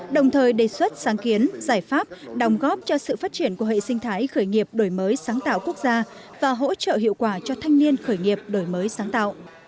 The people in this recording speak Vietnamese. đồng thời đề xuất sáng kiến giải pháp đồng góp cho sự phát triển của hệ sinh thái khởi nghiệp đổi mới sáng tạo quốc gia và hỗ trợ hiệu quả cho thanh niên khởi nghiệp đổi mới sáng tạo